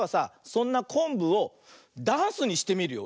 そんなこんぶをダンスにしてみるよ。